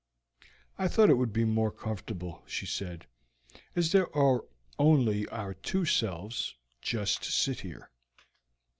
"I thought it would be more comfortable," she said, "as there are only our two selves, just to sit here."